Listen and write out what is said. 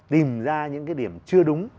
tìm ra những cái điểm chưa đúng